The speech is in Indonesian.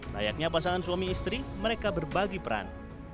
layaknya pasangan suami istri mereka berbagi peran